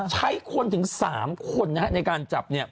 ใช้คนถึง๓คนในการจับ